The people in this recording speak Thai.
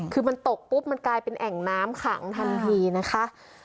คือมันตกปุ๊บมันกลายเป็นแอ่งน้ำขังทันทีนะคะ